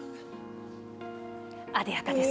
あでやかです。